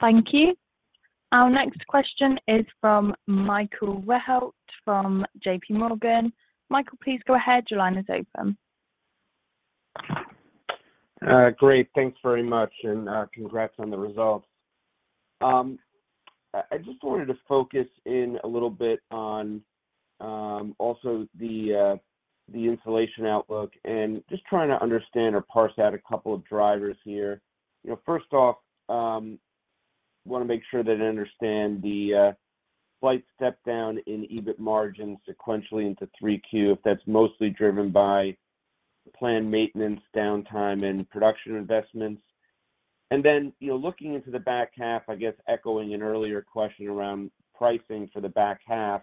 Thank you. Our next question is from Michael Rehaut, from JPMorgan. Michael, please go ahead. Your line is open. Great. Thanks very much. Congrats on the results. I just wanted to focus in a little bit on also the insulation outlook and just trying to understand or parse out a couple of drivers here. You know, first off, want to make sure that I understand the slight step down in EBIT margin sequentially into 3Q, if that's mostly driven by planned maintenance, downtime, and production investments. You know, looking into the back half, I guess echoing an earlier question around pricing for the back half,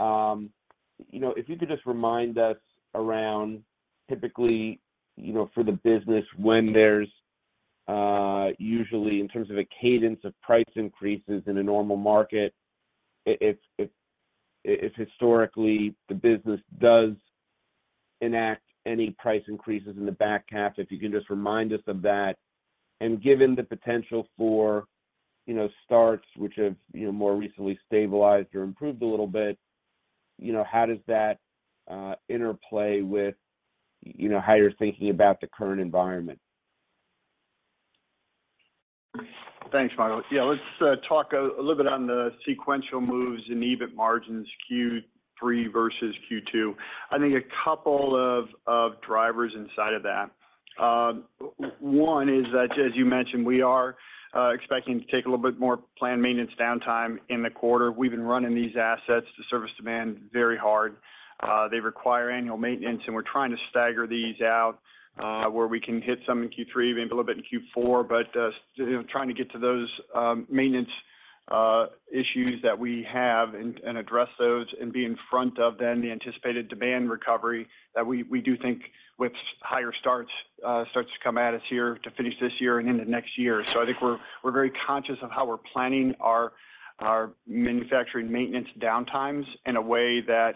you know, if you could just remind us around typically, you know, for the business, when there's usually in terms of a cadence of price increases in a normal market, if historically, the business does enact any price increases in the back half, if you can just remind us of that? Given the potential for, you know, starts which have, you know, more recently stabilized or improved a little bit, you know, how does that interplay with, you know, how you're thinking about the current environment? Thanks, Michael. Yeah, let's talk a little bit on the sequential moves in EBIT margins, Q3 versus Q2. I think a couple of drivers inside of that. One is that, as you mentioned, we are expecting to take a little bit more planned maintenance downtime in the quarter. We've been running these assets to service demand very hard. They require annual maintenance, and we're trying to stagger these out where we can hit some in Q3, maybe a little bit in Q4, but, you know, trying to get to those maintenance. Issues that we have and address those, and be in front of then the anticipated demand recovery that we do think with higher starts to come at us here to finish this year and into next year. I think we're very conscious of how we're planning our manufacturing maintenance downtimes in a way that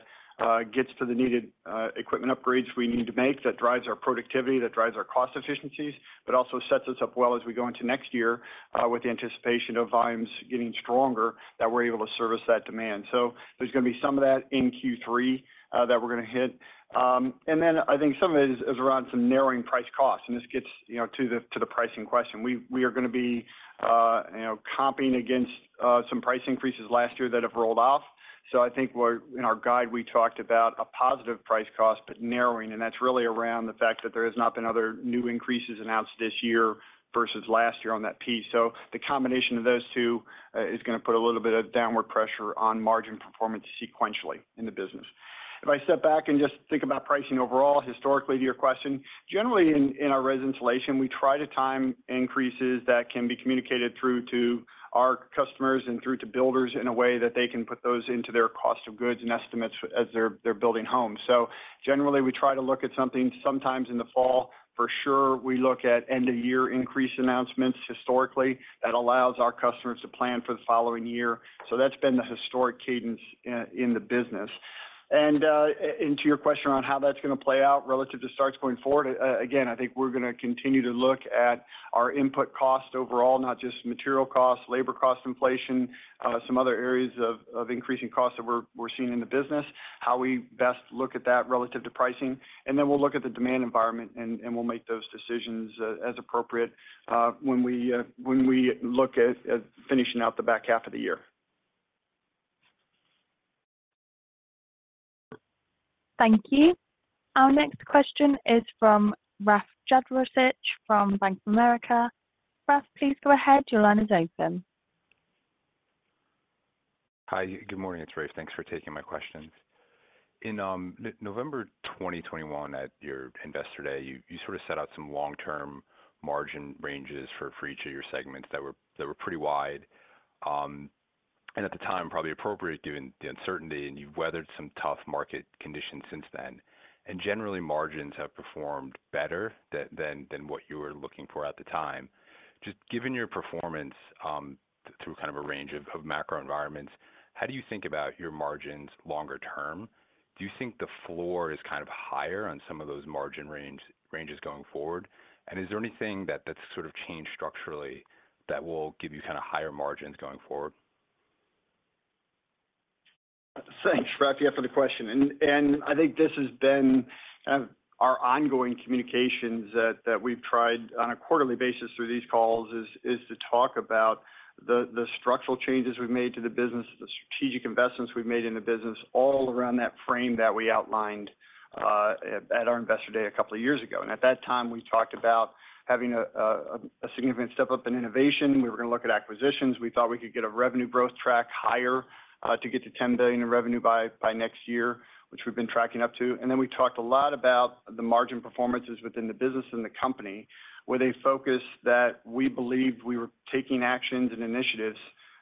gets to the needed equipment upgrades we need to make, that drives our productivity, that drives our cost efficiencies, but also sets us up well as we go into next year, with the anticipation of volumes getting stronger, that we're able to service that demand. There's gonna be some of that in Q3 that we're gonna hit. I think some of it is around some narrowing price/cost, and this gets, you know, to the, to the pricing question. We are gonna be, you know, comping against some price increases last year that have rolled off. I think in our guide, we talked about a positive price/cost, but narrowing, and that's really around the fact that there has not been other new increases announced this year versus last year on that piece. The combination of those two is gonna put a little bit of downward pressure on margin performance sequentially in the business. If I step back and just think about pricing overall, historically, to your question, generally in our res insulation, we try to time increases that can be communicated through to our customers and through to builders in a way that they can put those into their cost of goods and estimates as they're building homes. Generally, we try to look at something sometimes in the fall. For sure, we look at end-of-year increase announcements historically. That allows our customers to plan for the following year, That's been the historic cadence in the business. To your question on how that's gonna play out relative to starts going forward, again, I think we're gonna continue to look at our input cost overall, not just material costs, labor cost inflation, some other areas of increasing costs that we're seeing in the business, how we best look at that relative to pricing, and then we'll look at the demand environment, and we'll make those decisions as appropriate, when we, when we look at finishing out the back half of the year. Thank you. Our next question is from Rafe Jadrosich from Bank of America. Rafe, please go ahead. Your line is open. Hi, good morning, it's Rafe. Thanks for taking my questions. In November 2021, at your Investor Day, you sort of set out some long-term margin ranges for each of your segments that were pretty wide, and at the time, probably appropriate given the uncertainty, and you've weathered some tough market conditions since then. Generally, margins have performed better than what you were looking for at the time. Just given your performance through kind of a range of macro environments, how do you think about your margins longer term? Do you think the floor is kind of higher on some of those margin ranges going forward? Is there anything that's sort of changed structurally, that will give you kinda higher margins going forward? Thanks, Rafe, yeah, for the question. I think this has been our ongoing communications that we've tried on a quarterly basis through these calls, is to talk about the structural changes we've made to the business, the strategic investments we've made in the business, all around that frame that we outlined at our Investor Day a couple of years ago. At that time, we talked about having a significant step up in innovation. We were gonna look at acquisitions. We thought we could get a revenue growth track higher to get to $10 billion in revenue by next year, which we've been tracking up to. We talked a lot about the margin performances within the business and the company, with a focus that we believed we were taking actions and initiatives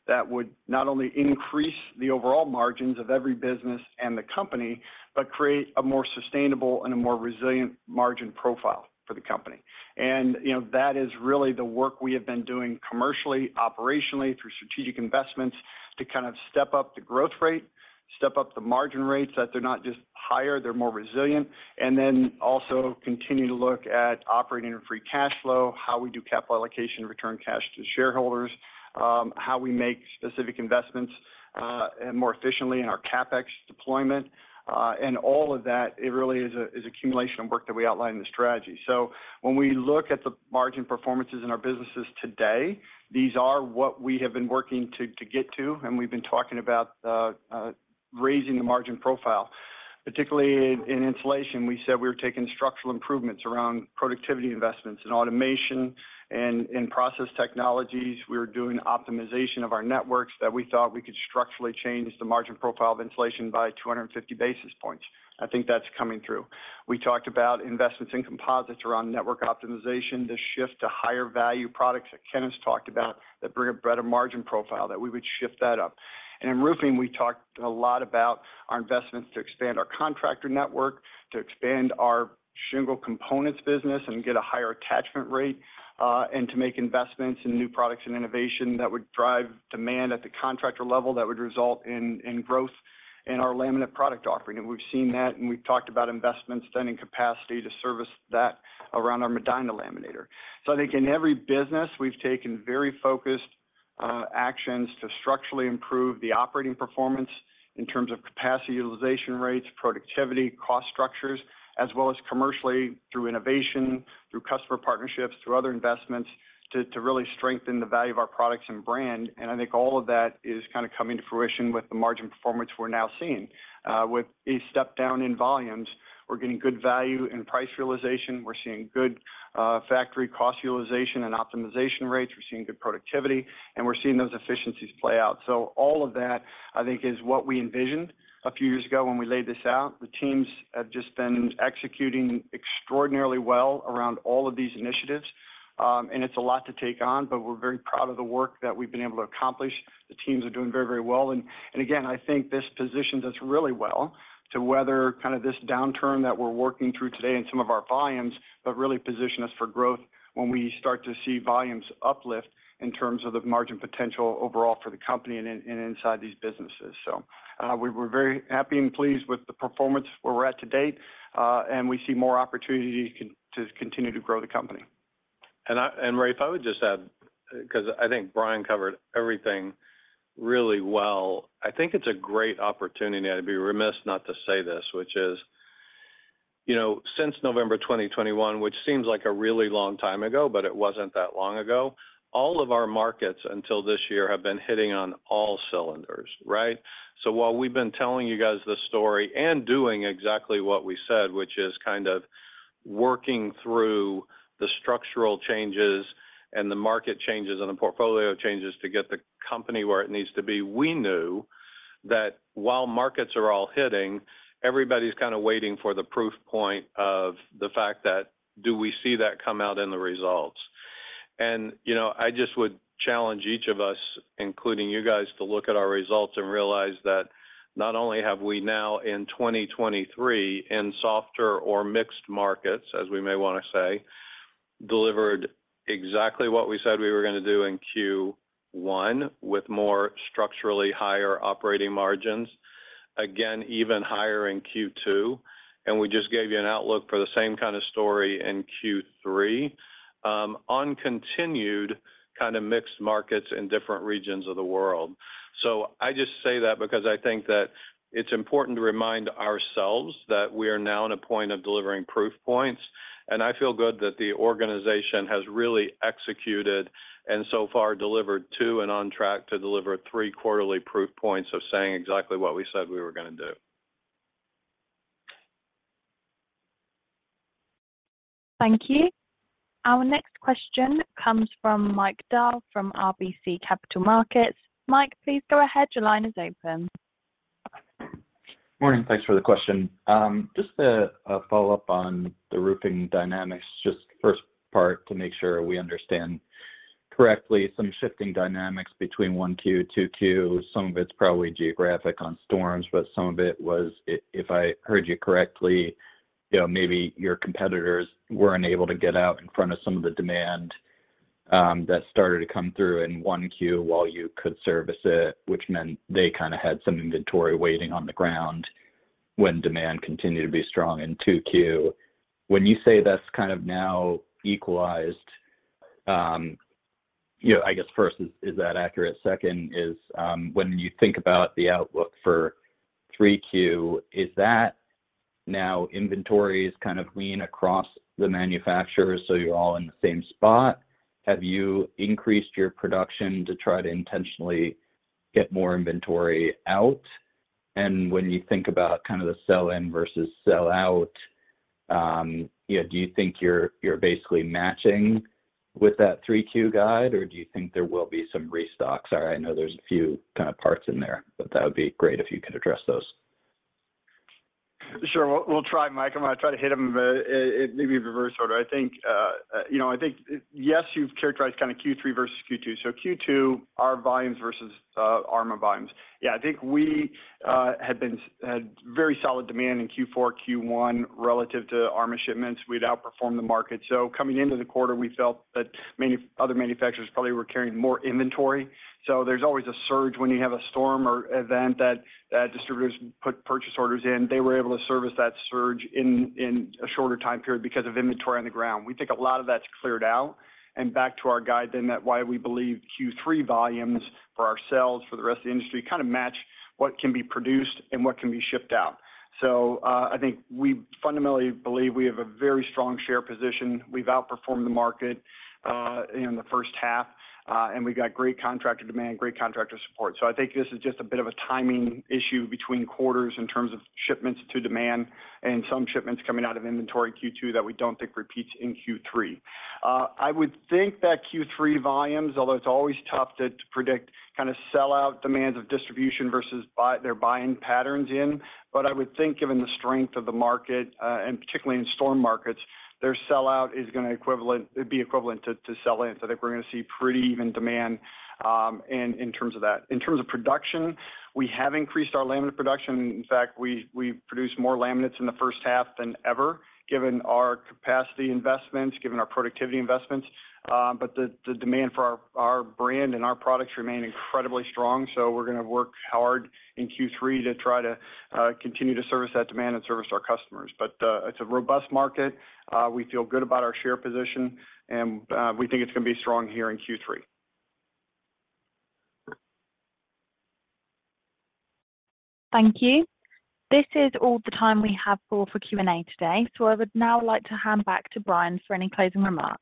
that would not only increase the overall margins of every business and the company, but create a more sustainable and a more resilient margin profile for the company. You know, that is really the work we have been doing commercially, operationally, through strategic investments, to kind of step up the growth rate, step up the margin rates, that they're not just higher, they're more resilient. Also continue to look at operating our free cash flow, how we do capital allocation, return cash to shareholders, how we make specific investments, and more efficiently in our CapEx deployment. All of that, it really is a, is accumulation of work that we outlined in the strategy. When we look at the margin performances in our businesses today, these are what we have been working to get to, and we've been talking about raising the margin profile. Particularly in Insulation, we said we were taking structural improvements around productivity investments, in automation and in process technologies. We were doing optimization of our networks that we thought we could structurally change the margin profile of insulation by 250 basis points. I think that's coming through. We talked about investments in Composites around network optimization to shift to higher value products, that Ken talked about, that bring a better margin profile, that we would shift that up. In Roofing, we talked a lot about our investments to expand our contractor network, to expand our shingle components business and get a higher attachment rate, and to make investments in new products and innovation that would drive demand at the contractor level that would result in growth in our laminate product offering. We've seen that, and we've talked about investments and in capacity to service that around our Medina laminator. I think in every business, we've taken very focused actions to structurally improve the operating performance in terms of capacity utilization rates, productivity, cost structures, as well as commercially, through innovation, through customer partnerships, through other investments, to really strengthen the value of our products and brand. I think all of that is kinda coming to fruition with the margin performance we're now seeing. With a step down in volumes, we're getting good value and price realization. We're seeing good factory cost utilization and optimization rates. We're seeing good productivity, we're seeing those efficiencies play out. All of that, I think, is what we envisioned a few years ago when we laid this out. The teams have just been executing extraordinarily well around all of these initiatives. It's a lot to take on, but we're very proud of the work that we've been able to accomplish. The teams are doing very, very well, and again, I think this positions us really well to weather kind of this downturn that we're working through today in some of our volumes, but really position us for growth when we start to see volumes uplift in terms of the margin potential overall for the company and inside these businesses. We, we're very happy and pleased with the performance where we're at to date, and we see more opportunity to continue to grow the company. Rafe, I would just add, because I think Brian covered everything really well. I think it's a great opportunity, I'd be remiss not to say this, which is, you know, since November 2021, which seems like a really long time ago, but it wasn't that long ago, all of our markets until this year have been hitting on all cylinders, right? While we've been telling you guys this story and doing exactly what we said, which is kind of working through the structural changes and the market changes and the portfolio changes to get the company where it needs to be, we knew that while markets are all hitting, everybody's kinda waiting for the proof point of the fact that do we see that come out in the results? You know, I just would challenge each of us, including you guys, to look at our results and realize that not only have we now, in 2023, in softer or mixed markets, as we may wanna say, delivered exactly what we said we were gonna do in Q1 with more structurally higher operating margins, again, even higher in Q2, and we just gave you an outlook for the same kind of story in Q3, on continued kinda mixed markets in different regions of the world. I just say that because I think that it's important to remind ourselves that we are now at a point of delivering proof points, and I feel good that the organization has really executed and so far delivered two and on track to deliver three quarterly proof points of saying exactly what we said we were gonna do. Thank you. Our next question comes from Mike Dahl from RBC Capital Markets. Mike, please go ahead. Your line is open. Morning. Thanks for the question. Just a follow-up on the roofing dynamics, just first part to make sure we understand correctly, some shifting dynamics between 1Q, 2Q. Some of it's probably geographic on storms, but some of it was, if I heard you correctly, you know, maybe your competitors were unable to get out in front of some of the demand that started to come through in 1Q while you could service it, which meant they kinda had some inventory waiting on the ground when demand continued to be strong in 2Q. When you say that's kind of now equalized, you know, I guess first, is that accurate? Second is, when you think about the outlook for 3Q, is that now inventory is kind of lean across the manufacturers, so you're all in the same spot? Have you increased your production to try to intentionally get more inventory out? When you think about kind of the sell-in versus sell-out, you know, do you think you're basically matching with that 3Q guide, or do you think there will be some restocks? Sorry, I know there's a few kind of parts in there, but that would be great if you could address those. Sure. We'll, we'll try, Mike. I'm gonna try to hit them, maybe in reverse order. I think, you know, I think, yes, you've characterized kind of Q3 versus Q2. Q2, our volumes versus, ARMA volumes. Yeah, I think we had very solid demand in Q4, Q1, relative to ARMA shipments. We'd outperformed the market. Coming into the quarter, we felt that other manufacturers probably were carrying more inventory. There's always a surge when you have a storm or event that distributors put purchase orders in. They were able to service that surge in a shorter time period because of inventory on the ground. We think a lot of that's cleared out, back to our guide, that why we believe Q3 volumes for ourselves, for the rest of the industry, kind of match what can be produced and what can be shipped out. I think we fundamentally believe we have a very strong share position. We've outperformed the market in the first half, we've got great contractor demand, great contractor support. I think this is just a bit of a timing issue between quarters in terms of shipments to demand, and some shipments coming out of inventory in Q2 that we don't think repeats in Q3. I would think that Q3 volumes, although it's always tough to predict, kinda sell out demands of distribution versus their buying patterns in, I would think given the strength of the market, and particularly in storm markets, their sellout it'd be equivalent to sell in. I think we're gonna see pretty even demand in terms of that. In terms of production, we have increased our laminate production. In fact, we produced more laminates in the first half than ever, given our capacity investments, given our productivity investments. The demand for our brand and our products remain incredibly strong, so we're gonna work hard in Q3 to try to continue to service that demand and service our customers. It's a robust market. We feel good about our share position, and we think it's gonna be strong here in Q3. Thank you. This is all the time we have for Q&A today, so I would now like to hand back to Brian for any closing remarks.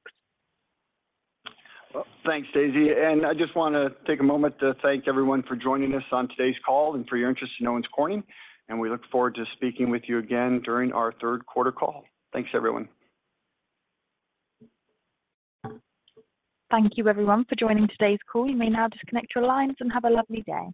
Thanks, Daisy. I just wanna take a moment to thank everyone for joining us on today's call and for your interest in Owens Corning. We look forward to speaking with you again during our third quarter call. Thanks, everyone. Thank you, everyone, for joining today's call. You may now disconnect your lines, and have a lovely day.